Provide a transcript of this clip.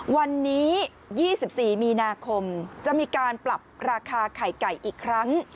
วันนี้๒๔มีนาคมจะมีการปรับราคาไข่ไก่อีกครั้ง